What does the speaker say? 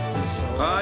はい。